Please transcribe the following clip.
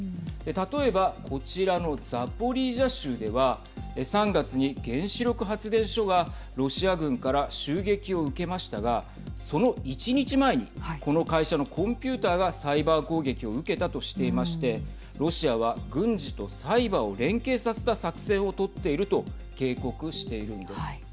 例えばこちらのザポリージャ州では３月に原子力発電所がロシア軍から襲撃を受けましたがその１日前にこの会社のコンピューターがサイバー攻撃を受けたとしていましてロシアは軍事とサイバーを連携させた作戦を取っていると警告しているんです。